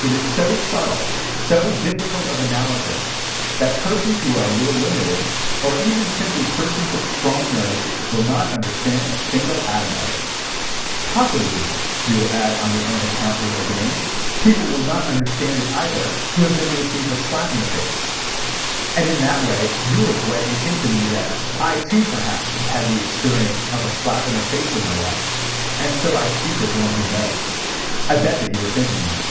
It is so subtle, so difficult of analysis, that persons who are a little limited, or even simply persons of strong nerves, will not understand a single atom of it. "Possibly," you will add on your own account with a grin, "people will not understand it either who have never received a slap in the face," and in that way you will politely hint to me that I, too, perhaps, have had the experience of a slap in the face in my life, and so I speak as one who knows. I bet that you are thinking that.